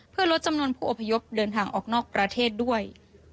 เพื่อลดจำนวนผู้อพยพเดินทางออกนอกประเทศด้วย